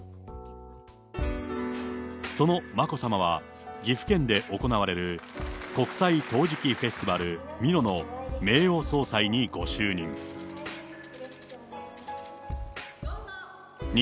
その眞子さまは、岐阜県で行われる国際陶磁器フェスティバル美濃の名誉総裁にご就任。